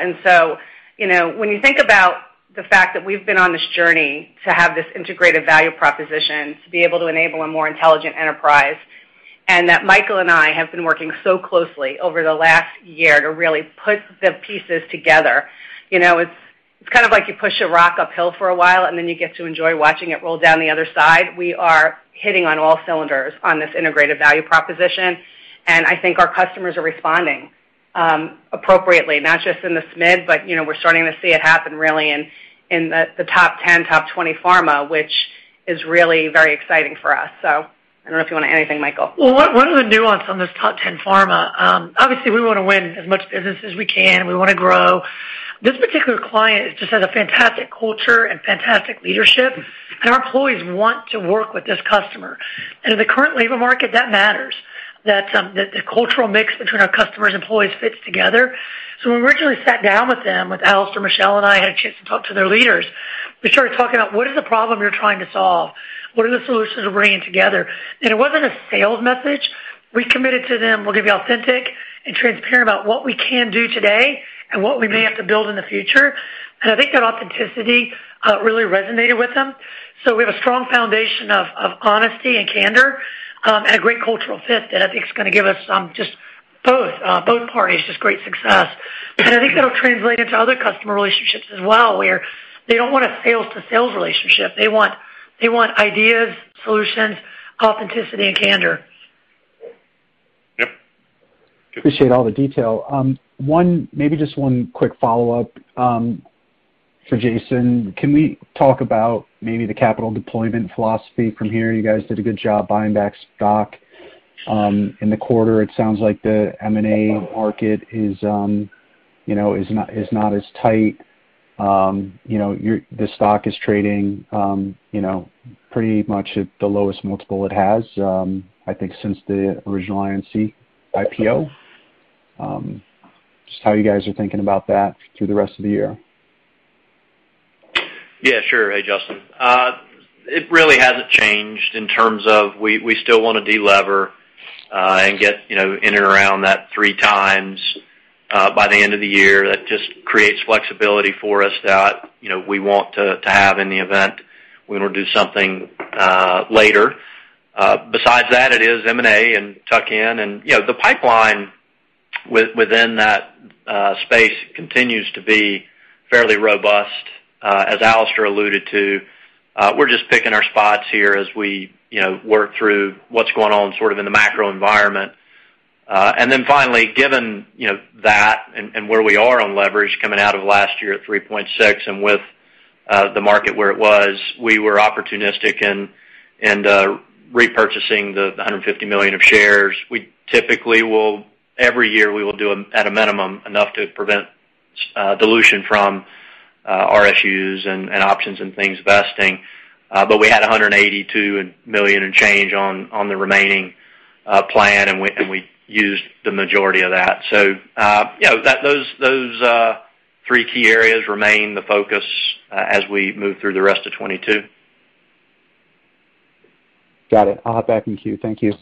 You know, when you think about the fact that we've been on this journey to have this integrated value proposition to be able to enable a more intelligent enterprise, and that Michael and I have been working so closely over the last year to really put the pieces together. You know, it's kind of like you push a rock uphill for a while, and then you get to enjoy watching it roll down the other side. We are hitting on all cylinders on this integrated value proposition, and I think our customers are responding appropriately, not just in the SMID, but you know, we're starting to see it happen really in the top ten, top twenty pharma, which is really very exciting for us. I don't know if you want to add anything, Michael. Well, one of the nuance on this top ten pharma, obviously, we wanna win as much business as we can. We wanna grow. This particular client just has a fantastic culture and fantastic leadership, and our employees want to work with this customer. In the current labor market, that matters. That the cultural mix between our customers, employees fits together. When we originally sat down with them, with Alistair, Michelle and I, had a chance to talk to their leaders, we started talking about what is the problem you're trying to solve? What are the solutions we're bringing together? It wasn't a sales message. We committed to them, we'll give you authentic and transparent about what we can do today and what we may have to build in the future. I think that authenticity really resonated with them. We have a strong foundation of honesty and candor, and a great cultural fit that I think is gonna give us just both parties just great success. I think that'll translate into other customer relationships as well, where they don't want a sales to sales relationship. They want ideas, solutions, authenticity and candor. Yep. Appreciate all the detail. Maybe just one quick follow-up for Jason. Can we talk about maybe the capital deployment philosophy from here? You guys did a good job buying back stock in the quarter. It sounds like the M&A market is, you know, not as tight. You know, the stock is trading, you know, pretty much at the lowest multiple it has, I think, since the original INC IPO. Just how you guys are thinking about that through the rest of the year. Yeah, sure. Hey, Justin. It really hasn't changed in terms of we still wanna delever and get, you know, in and around that 3x by the end of the year. That just creates flexibility for us that, you know, we want to have in the event we wanna do something later. Besides that, it is M&A and tuck-in and, you know, the pipeline within that space continues to be fairly robust. As Alistair alluded to, we're just picking our spots here as we, you know, work through what's going on sort of in the macro environment. Finally, given, you know, that and where we are on leverage coming out of last year at 3.6x and with the market where it was, we were opportunistic in repurchasing $150 million of shares. We typically every year will do, at a minimum, enough to prevent dilution from RSUs and options and things vesting. We had $182 million and change on the remaining plan, and we used the majority of that. You know, those three key areas remain the focus as we move through the rest of 2022. Got it. I'll hop back in queue. Thank you.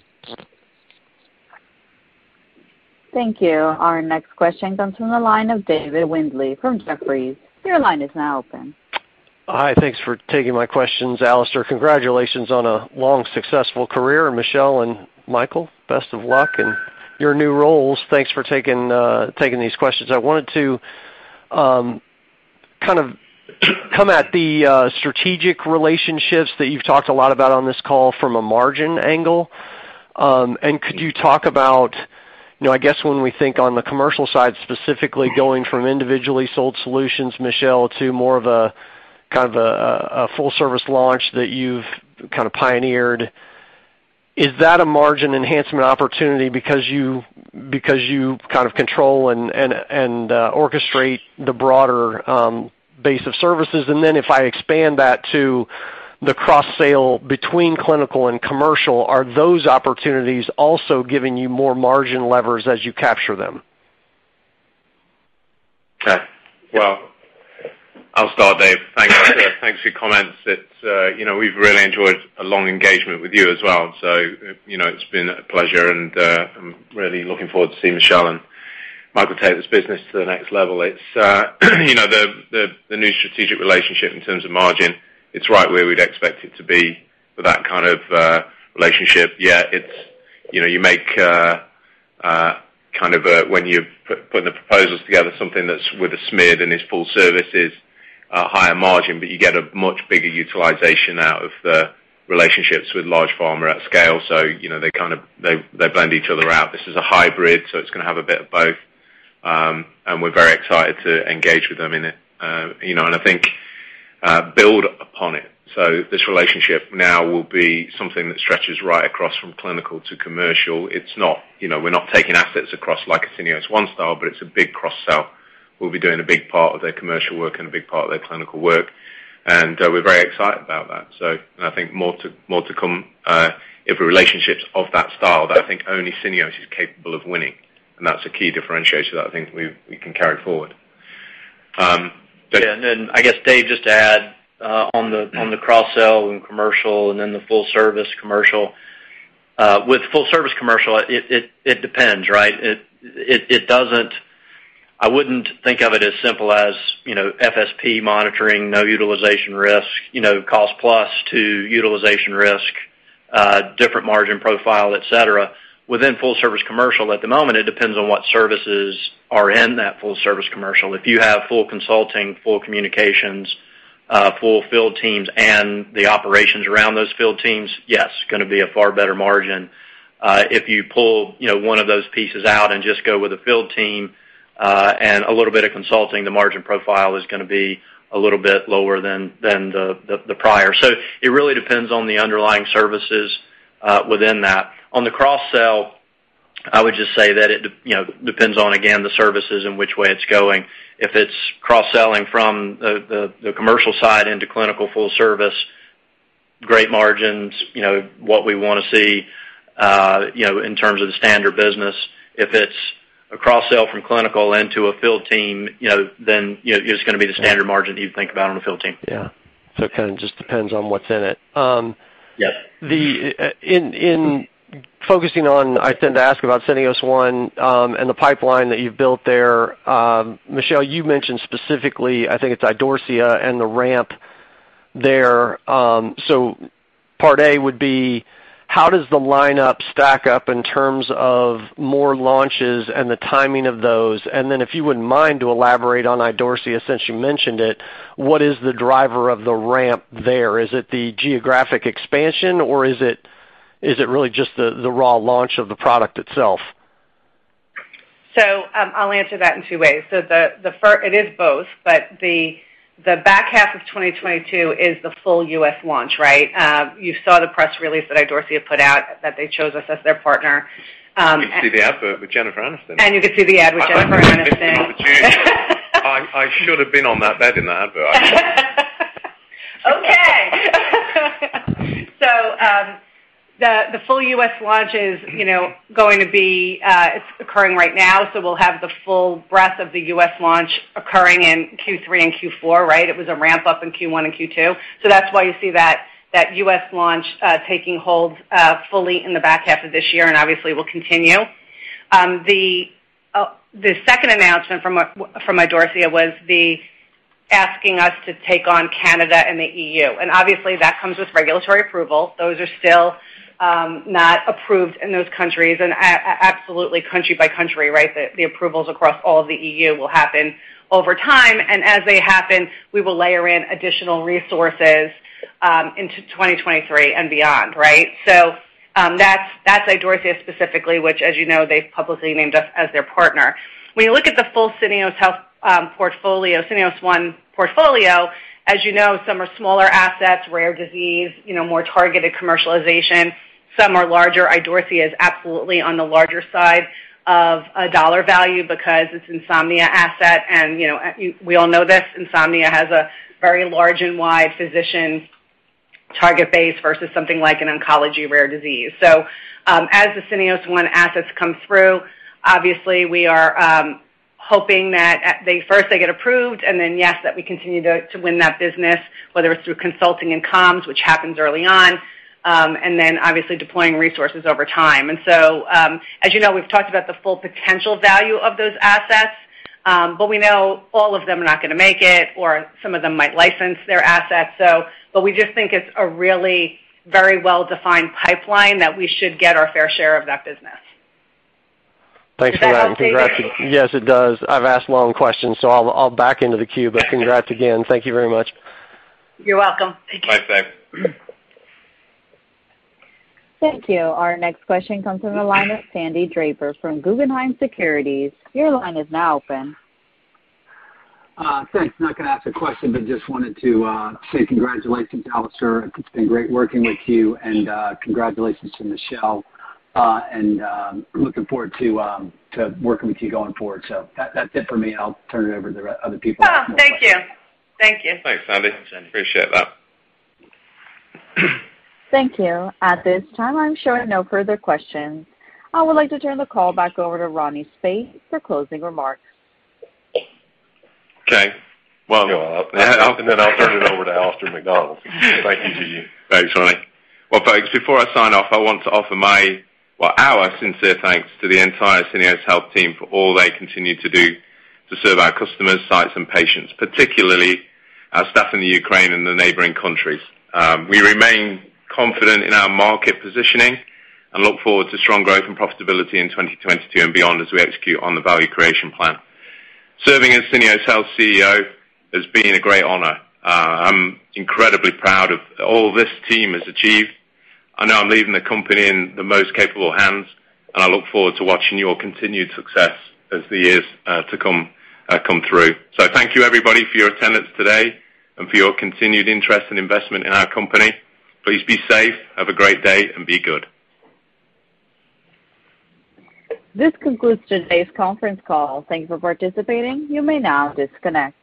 Thank you. Our next question comes from the line of David Windley from Jefferies. Your line is now open. Hi. Thanks for taking my questions. Alistair, congratulations on a long, successful career. Michelle and Michael, best of luck in your new roles. Thanks for taking these questions. I wanted to kind of come at the strategic relationships that you've talked a lot about on this call from a margin angle. Could you talk about, you know, I guess when we think on the commercial side, specifically going from individually sold solutions, Michelle, to more of a kind of full service launch that you've kind of pioneered. Is that a margin enhancement opportunity because you kind of control and orchestrate the broader base of services? If I expand that to the cross-sale between clinical and commercial, are those opportunities also giving you more margin levers as you capture them? Okay. Well, I'll start, Dave. Thanks for your comments. It's you know, we've really enjoyed a long engagement with you as well. You know, it's been a pleasure, and I'm really looking forward to seeing Michelle and Michael take this business to the next level. It's you know, the new strategic relationship in terms of margin. It's right where we'd expect it to be for that kind of relationship. Yeah, it's you know, you make kind of a, when you're putting the proposals together, something that's with a Syneos One style and is full services, higher margin, but you get a much bigger utilization out of the relationships with large pharma at scale. You know, they kind of, they blend each other out. This is a hybrid, so it's gonna have a bit of both. We're very excited to engage with them in it, you know, and I think build upon it. This relationship now will be something that stretches right across from clinical to commercial. It's not, you know, we're not taking assets across like a Syneos One style, but it's a big cross-sell. We'll be doing a big part of their commercial work and a big part of their clinical work, and we're very excited about that. I think more to come if the relationships of that style that I think only Syneos is capable of winning. That's a key differentiator that I think we can carry forward. Yeah. I guess, Dave, just to add, on the cross-sell and commercial and then the full service commercial. With full service commercial, it depends, right? I wouldn't think of it as simple as, you know, FSP monitoring, no utilization risk, you know, cost plus to utilization risk, different margin profile, et cetera. Within full service commercial, at the moment, it depends on what services are in that full service commercial. If you have full consulting, full communications, full field teams and the operations around those field teams, yes, gonna be a far better margin. If you pull, you know, one of those pieces out and just go with a field team, and a little bit of consulting, the margin profile is gonna be a little bit lower than the prior. It really depends on the underlying services within that. On the cross-sell, I would just say that it, you know, depends on, again, the services and which way it's going. If it's cross-selling from the commercial side into clinical full service, great margins, you know, what we wanna see, you know, in terms of the standard business. If it's a cross-sell from clinical into a field team, you know, then, you know, it's gonna be the standard margin that you'd think about on a field team. Yeah. It kinda just depends on what's in it. Yes. I tend to ask about Syneos One, and the pipeline that you've built there. Michelle, you mentioned specifically, I think it's Idorsia and the ramp there. Part A would be how does the lineup stack up in terms of more launches and the timing of those? If you wouldn't mind to elaborate on Idorsia since you mentioned it, what is the driver of the ramp there? Is it the geographic expansion, or is it really just the raw launch of the product itself? I'll answer that in two ways. It is both, but the back half of 2022 is the full US launch, right? You saw the press release that Idorsia put out that they chose us as their partner. You can see the advert with Jennifer Aniston. You can see the ad with Jennifer Aniston. I really missed an opportunity. I should have been on that bed in that advert. Okay. The full U.S. launch is, you know, going to be. It's occurring right now, so we'll have the full breadth of the U.S. launch occurring in Q3 and Q4, right? It was a ramp-up in Q1 and Q2. That's why you see that U.S. launch taking hold fully in the back half of this year, and obviously will continue. The second announcement from Idorsia was them asking us to take on Canada and the EU, and obviously that comes with regulatory approval. Those are still not approved in those countries and absolutely country by country, right? The approvals across all of the EU will happen over time, and as they happen, we will layer in additional resources into 2023 and beyond, right? That's Idorsia specifically, which, as you know, they've publicly named us as their partner. When you look at the full Syneos Health portfolio, Syneos One portfolio, as you know, some are smaller assets, rare disease, you know, more targeted commercialization. Some are larger. Idorsia is absolutely on the larger side of a dollar value because it's insomnia asset and, you know, we all know this, insomnia has a very large and wide physician target base versus something like an oncology rare disease. As the Syneos One assets come through, obviously we are hoping that they first get approved and then, yes, that we continue to win that business, whether it's through consulting and comms, which happens early on, and then obviously deploying resources over time. As you know, we've talked about the full potential value of those assets, but we know all of them are not gonna make it or some of them might license their assets. We just think it's a really very well-defined pipeline that we should get our fair share of that business. Thanks for that. Does that help, David? Congrats again. Yes, it does. I've asked long questions, so I'll back into the queue. Congrats again. Thank you very much. You're welcome. Thank you. Bye, Dave. Thank you. Our next question comes from the line of Sandy Draper from Guggenheim Securities. Your line is now open. Thanks. Not gonna ask a question, but just wanted to say congratulations, Alistair. It's been great working with you and congratulations to Michelle. And looking forward to working with you going forward. That's it for me, and I'll turn it over to the other people. Oh, thank you. Thank you. Thanks, Sandy. Appreciate that. Thank you. At this time, I'm showing no further questions. I would like to turn the call back over to Ronnie Speight for closing remarks. Okay. Well, I'll turn it over to Alistair Macdonald. Thank you to you. Thanks, Ronnie. Well, folks, before I sign off, I want to offer my, well, our sincere thanks to the entire Syneos Health team for all they continue to do to serve our customers, sites and patients, particularly our staff in the Ukraine and the neighboring countries. We remain confident in our market positioning and look forward to strong growth and profitability in 2022 and beyond as we execute on the value creation plan. Serving as Syneos Health CEO has been a great honor. I'm incredibly proud of all this team has achieved. I know I'm leaving the company in the most capable hands, and I look forward to watching your continued success as the years to come. Thank you everybody for your attendance today and for your continued interest and investment in our company. Please be safe, have a great day, and be good. This concludes today's conference call. Thank you for participating. You may now disconnect.